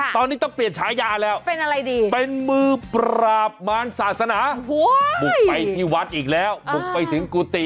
ตอนนี้ต้องเปลี่ยนฉายาแล้วเป็นอะไรดีเป็นมือปราบมารศาสนาบุกไปที่วัดอีกแล้วบุกไปถึงกุฏิ